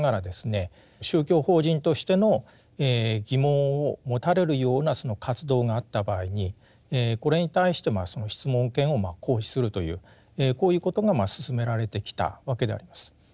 宗教法人としての疑問を持たれるようなその活動があった場合にこれに対してその質問権を行使するというこういうことが進められてきたわけであります。